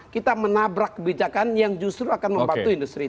kita menabrak kebijakan yang justru akan membantu industri